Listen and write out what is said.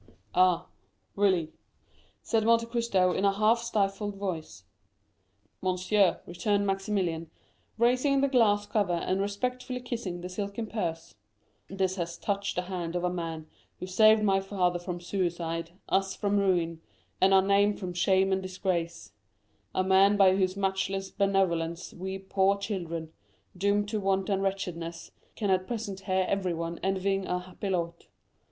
"Ah, really," said Monte Cristo in a half stifled voice. "Monsieur," returned Maximilian, raising the glass cover, and respectfully kissing the silken purse, "this has touched the hand of a man who saved my father from suicide, us from ruin, and our name from shame and disgrace,—a man by whose matchless benevolence we poor children, doomed to want and wretchedness, can at present hear everyone envying our happy lot.